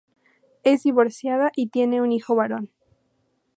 Es divorciada y tiene un hijo varón.